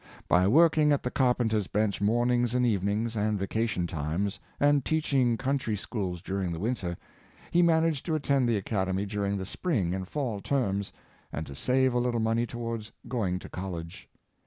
By working at the carpenter's bench mornings and evenings and vacation times, and teaching country schools during the winter, he managed to attend the Academy during the spring and fall terms and to save a little money towards going to college.